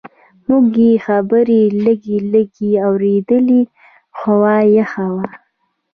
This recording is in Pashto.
موږ یې خبرې لږ لږ اورېدلې، هوا یخه وه.